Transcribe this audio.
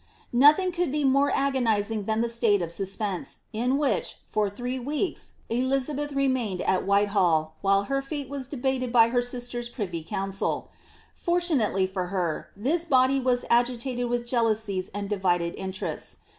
Nothing could be more agonizing than the state of suspense, in which, for three weeks, Elizabeth remained at WhitehalU while her fate was de bated by her sister's privy council. Fortunately for her, this body was agitated with jealousies and divided interests.